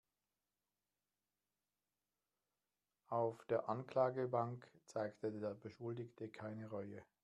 Auf der Anklagebank zeigte der Beschuldigte keine Reue.